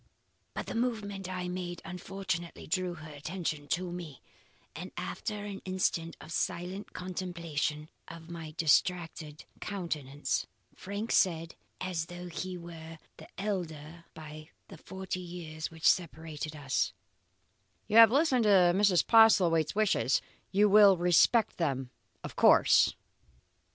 "But the movement I made unfortunately drew their attention to me, and after an instant of silent contemplation of my distracted countenance, Frank said, as though he were the elder by the forty years which separated us: "'You have listened to Mrs. Postlethwaite's wishes. You will respect them of course.